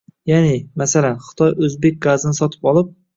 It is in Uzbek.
Ya’ni, masalan, Xitoy O‘zbekiston gazini sotib olib